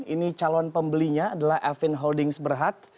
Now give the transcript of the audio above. ini calon pembelinya adalah alvin holdings berhad